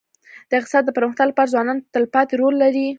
د اقتصاد د پرمختګ لپاره ځوانان تلپاتې رول لري.